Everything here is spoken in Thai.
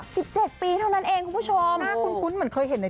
สิบเจ็ดปีเท่านั้นเองคุณผู้ชมน่าคุ้นคุ้นเหมือนเคยเห็นใน